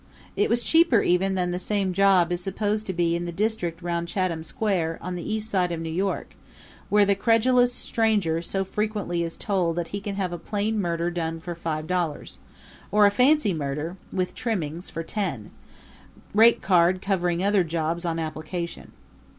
It was cheaper even than the same job is supposed to be in the district round Chatham Square, on the East Side of New York, where the credulous stranger so frequently is told that he can have a plain murder done for five dollars or a fancy murder, with trimmings, for ten; rate card covering other jobs on application.